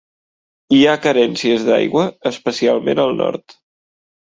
Hi ha carències d'aigua, especialment al nord.